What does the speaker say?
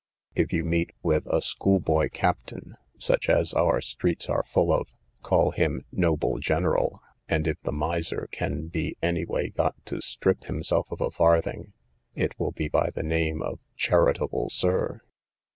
If you meet with a schoolboy captain, such as our streets are full of, call him Noble General; and if the miser can be any way got to strip himself of a farthing, it will be by the name of Charitable Sir.